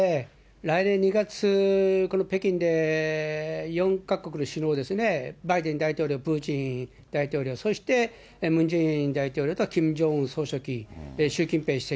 来年２月、この北京で４か国の首脳ですね、バイデン大統領、プーチン大統領、そしてムン・ジェイン大統領とキム・ジョンウン総書記、習近平主席。